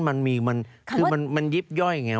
มันมีมันยิบย่อยอย่างนี้